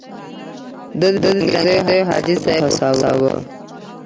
ده د ترنګزیو حاجي صاحب وهڅاوه.